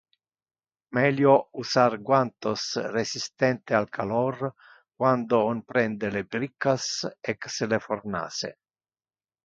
Melio usar guantos resistente al calor quando on prende le briccas ex le fornace.